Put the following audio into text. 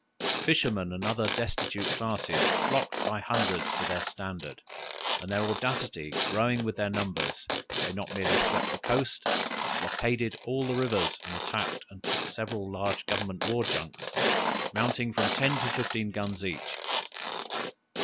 Fishermen and other destitute classes flocked by hundreds to their standard, and their audacity growing with their numbers, they not merely swept the coast, but blockaded all the rivers and attacked and took several large government war junks, mounting from ten to fifteen guns each.